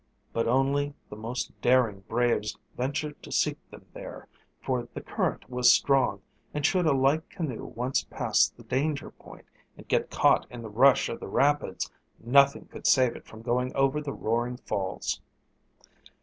But only the most daring braves ventured to seek them there, for the current was strong, and should a light canoe once pass the danger point and get caught in the rush of the rapids, nothing could save it from going over the roaring falls.